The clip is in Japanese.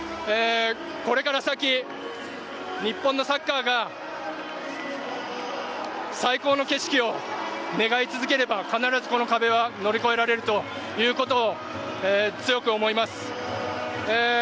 これから先日本のサッカーが最高の景色を願い続ければ必ずこの壁は乗り越えられるということを強く思います。